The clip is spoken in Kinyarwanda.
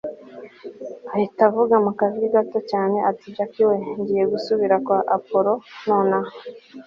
ahita avuga mukajwi gato cyane ati jack we! ngiye gusubira kwa appolo nonaha